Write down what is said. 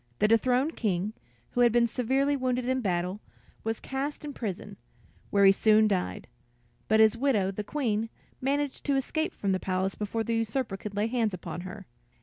The dethroned King, who had been severely wounded in battle, was cast in prison, where he soon died; but his widow, the Queen, managed to escape from the palace before the usurper could lay hands upon her.